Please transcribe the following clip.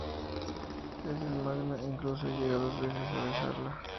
En el manga incluso llega dos veces a besarla.